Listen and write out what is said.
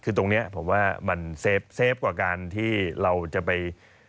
คือตรงนี้ผมว่ามันเซฟกว่าการที่เราจะไป